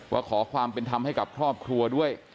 ขอความเป็นธรรมให้กับครอบครัวด้วย